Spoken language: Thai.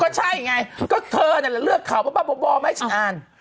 ก็ใช่ไงก็เธอน่ะแล้วเลือกเขาว่าบ้านบ่อไม่ใช่อ่าน